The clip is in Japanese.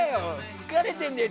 疲れてるんだよ！